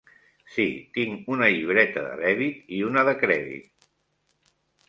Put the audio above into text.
Sí, tinc una llibreta de dèbit i una de crèdit.